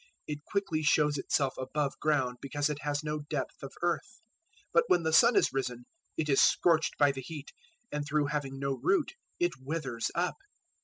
It quickly shows itself above ground, because it has no depth of earth; 013:006 but when the sun is risen, it is scorched by the heat, and through having no root it withers up.